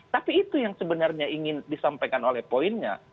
tapi itu yang sebenarnya ingin disampaikan oleh poinnya